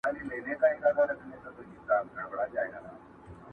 د پيل ورځ بيا د پرېکړې شېبه راځي ورو،